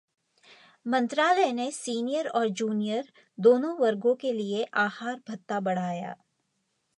मंत्रालय ने सीनियर और जूनियर दोनों वर्गों के लिए आहार भत्ता बढ़ाया